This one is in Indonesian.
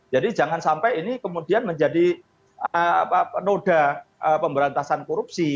jadi jangan sampai ini kemudian menjadi noda pemberantasan korupsi